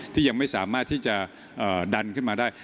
ที่ยังไม่สามารถที่จะดันขึ้นมาได้